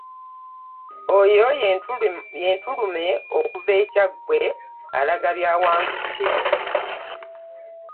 Oyo ye Ntulume okuva e Kyaggwe alaga by’awangudde.